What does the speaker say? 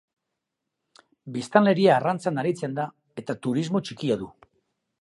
Biztanleria arrantzan aritzen da eta turismo txikia du.